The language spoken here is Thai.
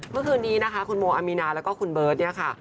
เมื่อคืนนี้นะคะคุณโมอามีนาแล้วก็คุณเบิร์ตเนี่ยค่ะ